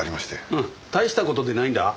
うん大した事でないんだ。